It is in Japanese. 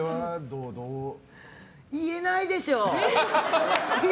言えないでしょ！